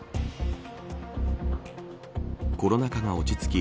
コロナ禍が落ち着き